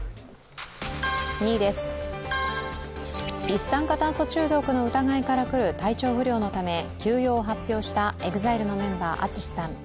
２位です、一酸化炭素中毒の疑いから来る体調不良のため休養を発表したＥＸＩＬＥのメンバーＡＴＳＵＳＨＩさん。